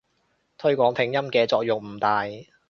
推廣拼音嘅作用唔大